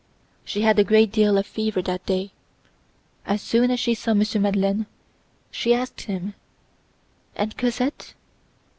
She had a great deal of fever that day. As soon as she saw M. Madeleine she asked him:— "And Cosette?"